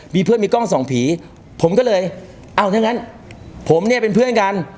มีเพื่อนมีกล้องสองผีผมก็เลยเอาถ้างั้นผมเนี่ยเป็นเพื่อนกัน